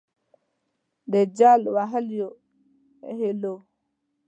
د جل وهلیو هِیلو